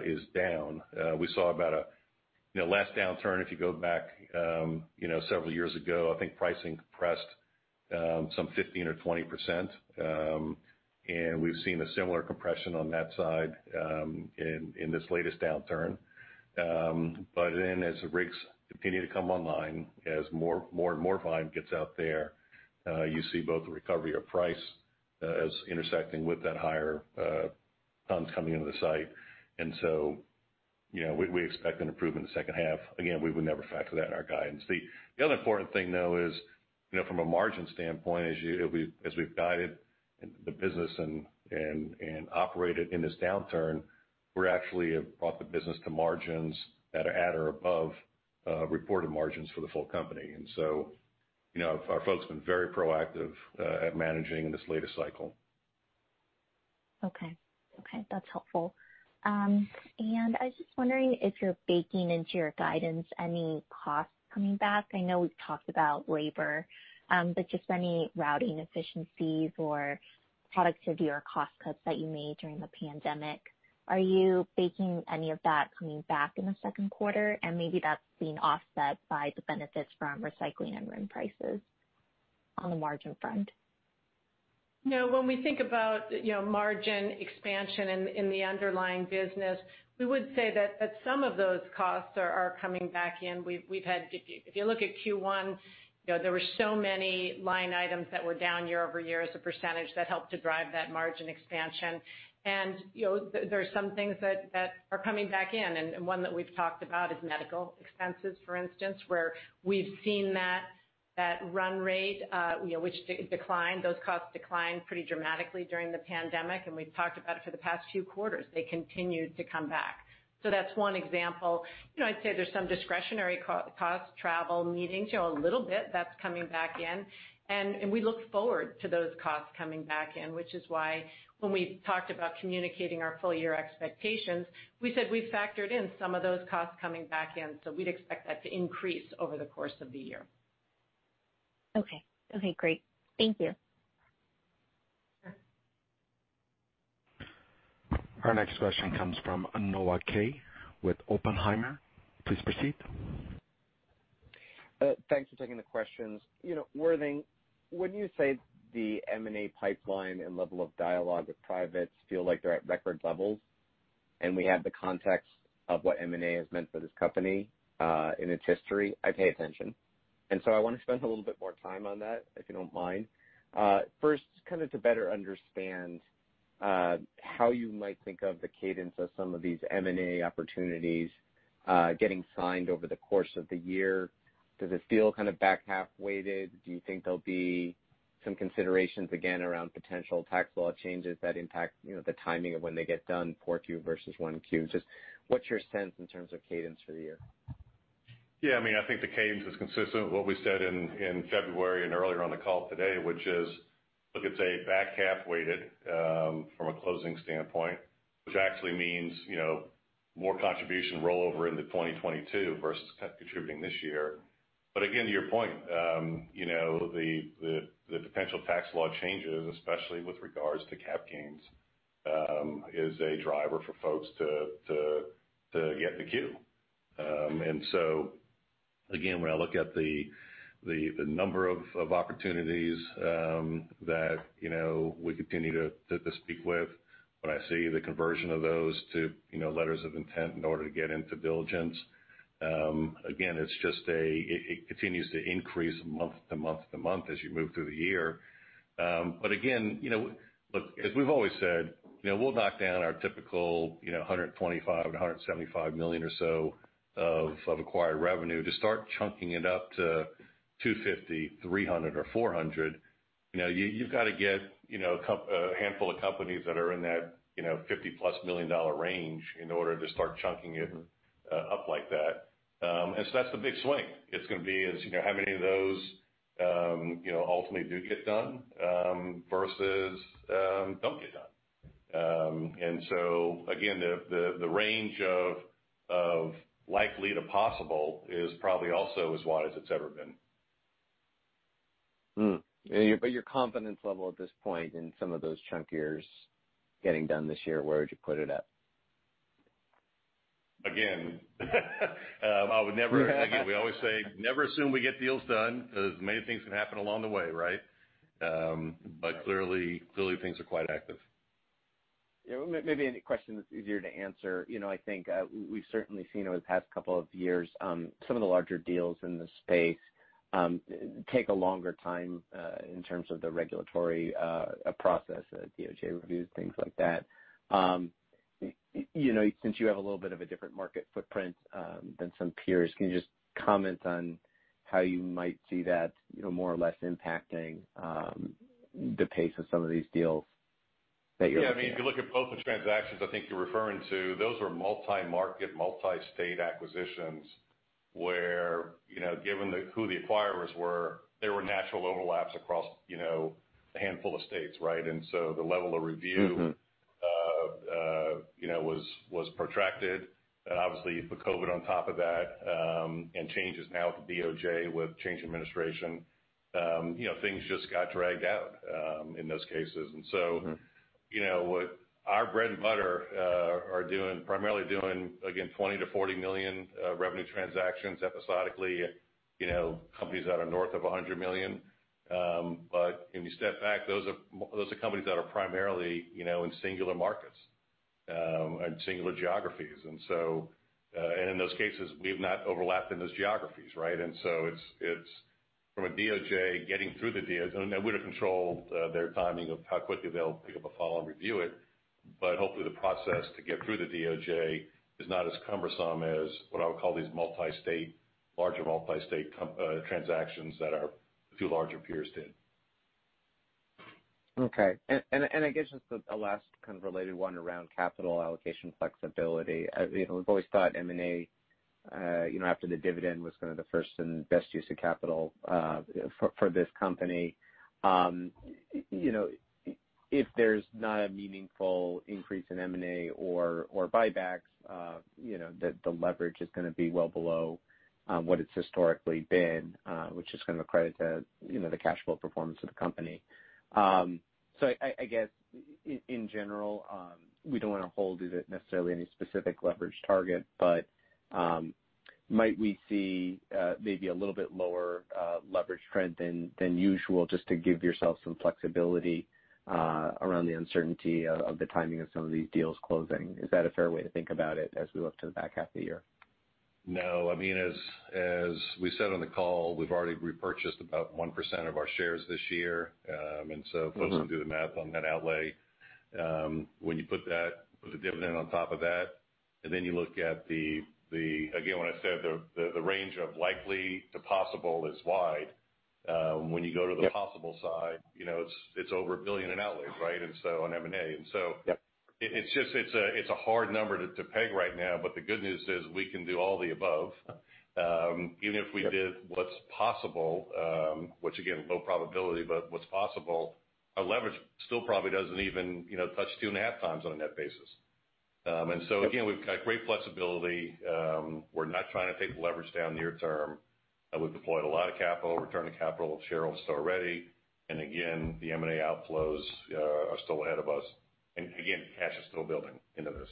is down. Last downturn, if you go back several years ago, I think pricing compressed some 15% or 20%, and we've seen a similar compression on that side in this latest downturn. As the rigs continue to come online, as more and more volume gets out there, you see both the recovery of price as intersecting with that higher tons coming into the site. We expect an improvement in the second half. Again, we would never factor that in our guidance. The other important thing, though, is from a margin standpoint, as we've guided the business and operated in this downturn, we actually have brought the business to margins that are at or above reported margins for the full company. Our folks have been very proactive at managing in this latest cycle. Okay. That's helpful. I was just wondering if you're baking into your guidance any costs coming back. I know we've talked about labor, but just any routing efficiencies or productivity or cost cuts that you made during the pandemic, are you baking any of that coming back in the second quarter and maybe that's being offset by the benefits from recycling and RIN prices on the margin front? When we think about margin expansion in the underlying business, we would say that some of those costs are coming back in. If you look at Q1, there were so many line items that were down year-over-year as a percentage that helped to drive that margin expansion. There are some things that are coming back in, and one that we've talked about is medical expenses, for instance, where we've seen that run rate which declined, those costs declined pretty dramatically during the pandemic, and we've talked about it for the past few quarters. They continued to come back. That's one example. I'd say there's some discretionary cost, travel, meetings, a little bit that's coming back in, and we look forward to those costs coming back in, which is why when we talked about communicating our full-year expectations, we said we factored in some of those costs coming back in. We'd expect that to increase over the course of the year. Okay. Great. Thank you. Our next question comes from Noah Kaye with Oppenheimer. Please proceed. Thanks for taking the questions. Worthing, when you say the M&A pipeline and level of dialogue with privates feel like they're at record levels, and we have the context of what M&A has meant for this company, in its history, I pay attention. I want to spend a little bit more time on that, if you don't mind. First, to better understand, how you might think of the cadence of some of these M&A opportunities getting signed over the course of the year. Does it feel back half weighted? Do you think there'll be some considerations again around potential tax law changes that impact the timing of when they get done, 4Q versus 1Q? Just what's your sense in terms of cadence for the year? Yeah, I think the cadence is consistent with what we said in February and earlier on the call today, which is, look, it's a back half weighted, from a closing standpoint. Which actually means more contribution rollover into 2022 versus contributing this year. Again, to your point, the potential tax law changes, especially with regards to cap gains, is a driver for folks to get the queue. Again, when I look at the number of opportunities that we continue to speak with, when I see the conversion of those to letters of intent in order to get into diligence. Again, it continues to increase month to month to month as you move through the year. Again, look, as we've always said, we'll knock down our typical, $125 million-$175 million or so of acquired revenue to start chunking it up to $250 million, $300 million, or $400 million. You've got to get a handful of companies that are in that $50 million plus range in order to start chunking it up like that. That's the big swing it's going to be is, how many of those ultimately do get done, versus don't get done. Again, the range of likely to possible is probably also as wide as it's ever been. Your confidence level at this point in some of those chunkier getting done this year, where would you put it at? Again, we always say never assume we get deals done because many things can happen along the way, right? Clearly things are quite active. Yeah. Maybe a question that's easier to answer. I think we've certainly seen over the past couple of years, some of the larger deals in this space take a longer time in terms of the regulatory process, DOJ reviews, things like that. Since you have a little bit of a different market footprint than some peers, can you just comment on how you might see that more or less impacting the pace of some of these deals that you're looking at? Yeah, if you look at both the transactions I think you're referring to, those were multi-market, multi-state acquisitions where, given who the acquirers were, there were natural overlaps across a handful of states, right? The level of review was protracted. Obviously you put COVID on top of that, and changes now at the DOJ with change in administration, things just got dragged out in those cases. What our bread and butter are primarily doing, again, $20 million-$40 million revenue transactions episodically, companies that are north of $100 million. When you step back, those are companies that are primarily in singular markets, and singular geographies. In those cases, we've not overlapped in those geographies, right? From a DOJ getting through the DOJ, and we don't control their timing of how quickly they'll pick up a file and review it. Hopefully the process to get through the DOJ is not as cumbersome as what I would call these larger multi-state transactions that our few larger peers did. Okay. I guess just a last kind of related one around capital allocation flexibility. We've always thought M&A, after the dividend, was kind of the first and best use of capital for this company. If there's not a meaningful increase in M&A or buybacks, the leverage is gonna be well below what it's historically been, which is kind of a credit to the cash flow performance of the company. I guess, in general, we don't want to hold to necessarily any specific leverage target, but might we see maybe a little bit lower leverage trend than usual, just to give yourself some flexibility around the uncertainty of the timing of some of these deals closing? Is that a fair way to think about it as we look to the back half of the year? No. As we said on the call, we've already repurchased about 1% of our shares this year. Folks can do the math on that outlay. When you put the dividend on top of that, and then you look at the, again, when I said the range of likely to possible is wide. When you go to the possible side, it's over $1 billion in outlay on M&A, right? Yep. It's a hard number to peg right now, but the good news is we can do all the above. Even if we did what's possible, which again, low probability, but what's possible, our leverage still probably doesn't even touch 2.5 times on a net basis. Again, we've got great flexibility. We're not trying to take leverage down near term. We've deployed a lot of capital, return to capital, shareholders still ready. Again, the M&A outflows are still ahead of us. Again, cash is still building into this.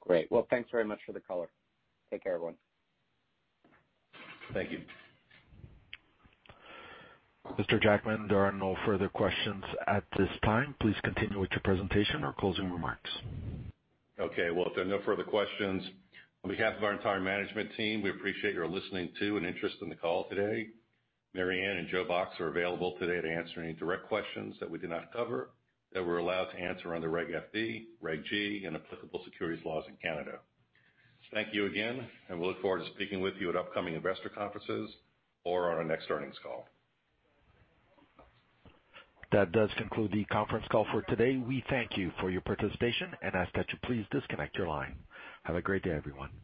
Great. Well, thanks very much for the color. Take care, everyone. Thank you. Mr. Jackman, there are no further questions at this time. Please continue with your presentation or closing remarks. Okay. Well, if there are no further questions, on behalf of our entire management team, we appreciate your listening to and interest in the call today. Mary Anne and Joe Box are available today to answer any direct questions that we did not cover, that we're allowed to answer under Regulation FD, Regulation G, and applicable securities laws in Canada. Thank you again. We look forward to speaking with you at upcoming investor conferences or on our next earnings call. That does conclude the conference call for today. We thank you for your participation and ask that you please disconnect your line. Have a great day, everyone.